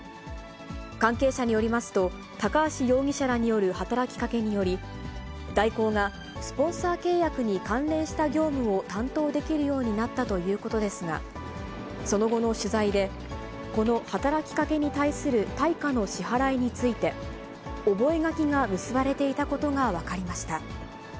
関係者によりますと、高橋容疑者らによる働きかけにより、大広がスポンサー契約に関連した業務を担当できるようになったということですが、その後の取材で、この働きかけに対する対価の支払いについて、覚書が結ばれていたことが分かりました。